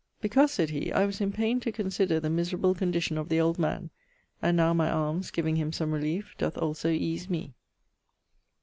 'Because,' sayd he, 'I was in paine to consider the miserable condition of the old man; and now my almes, giving him some reliefe, doth also ease me.'